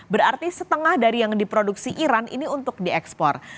berarti setengah dari yang diproduksi iran ini untuk diekspor